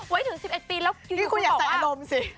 ไว้ถึง๑๑ปีแล้วอยู่อยู่คุณบอกว่า